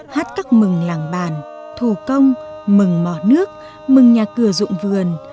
hát các mừng làng bàn thù công mừng mỏ nước mừng nhà cửa rụng vườn